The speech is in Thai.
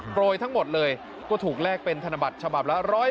โรยทั้งหมดเลยก็ถูกแลกเป็นธนบัตรฉบับละ๑๐๐